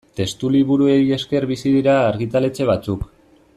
Testuliburuei esker bizi dira argitaletxe batzuk.